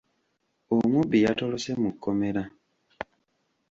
Omubbi yatolose mu kkomera.